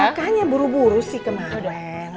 makanya buru buru sih kemarin